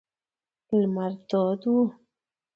لمر تود و.